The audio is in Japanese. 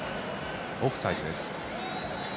オフサイドです。